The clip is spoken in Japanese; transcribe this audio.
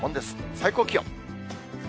最高気温。